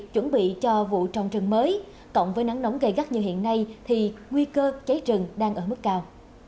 chuẩn bị cho vụ trồng trừng mới cộng với nắng nóng gai gắt như hiện nay thì nguy cơ cháy trừng đang ở mức cao